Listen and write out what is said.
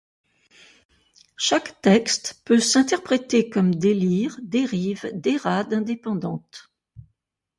Chaque texte peut s'interpréter comme délire, dérive, dérade indépendante.